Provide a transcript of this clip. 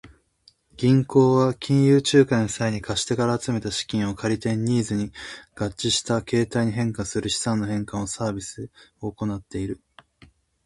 銀行は金融仲介の際に、貸し手から集めた資金を借り手のニーズに合致した形態に変換する資産変換のサービスを行っている。